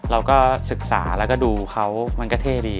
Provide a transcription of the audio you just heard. เราก็ศึกษาแล้วก็ดูเขามันก็เท่ดี